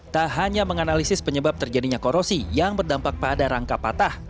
tak hanya menganalisis penyebab terjadinya korosi yang berdampak pada rangka patah